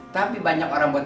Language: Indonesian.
tapi banyak orang berkata